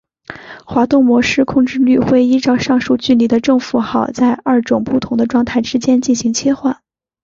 滑动模式控制律会依照上述距离的正负号在二种不同的状态之间进行切换。